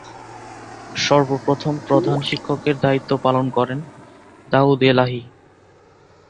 সর্বপ্রথম প্রধান শিক্ষকের দায়িত্ব পালন করেন দাউদ এলাহী।